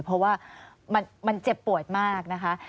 เพราะว่ามันเจ็บปวดมากนะคะ